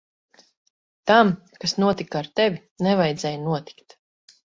Tam, kas notika ar tevi, nevajadzēja notikt.